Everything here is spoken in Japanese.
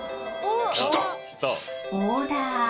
「オーダー」